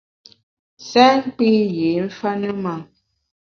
Sèn nkpi yî mfa ne ma!